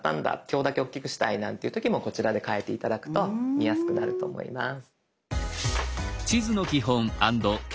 今日だけ大きくしたいなんていう時もこちらで変えて頂くと見やすくなると思います。